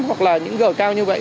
hoặc là những gở cao như vậy